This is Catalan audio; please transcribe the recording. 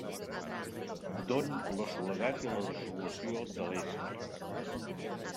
D'on, la soledat i la desolació de l'ésser.